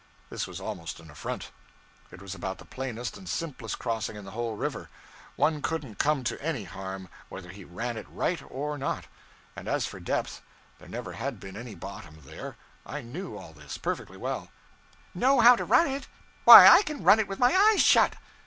This was almost an affront. It was about the plainest and simplest crossing in the whole river. One couldn't come to any harm, whether he ran it right or not; and as for depth, there never had been any bottom there. I knew all this, perfectly well. 'Know how to _run _it? Why, I can run it with my eyes shut.'